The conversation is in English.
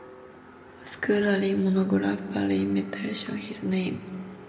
A scholarly monograph barely mentions his name.